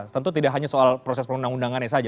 tentu tidak hanya soal proses perundang undangannya saja